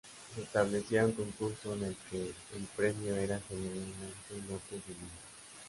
Se establecía un concurso en el que el premio era generalmente lotes de libros.